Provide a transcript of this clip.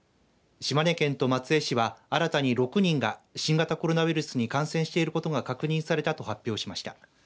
島根県と松江市は、新たに６人が新型コロナウイルスに感染していることが確認されたと発表しました。